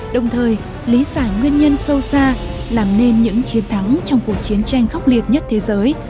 đồng thời lý giải nguyên nhân sâu xa làm nên những chiến thắng trong cuộc chiến tranh khốc liệt nhất thế giới